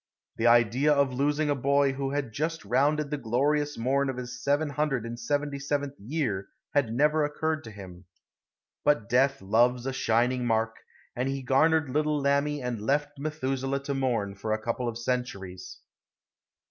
The idea of losing a boy who had just rounded the glorious morn of his 777th year had never occurred to him. But death loves a shining mark, and he garnered little Lammie and left Methuselah to mourn for a couple of centuries.